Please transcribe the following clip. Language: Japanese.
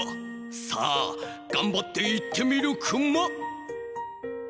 さあがんばっていってみるクマ！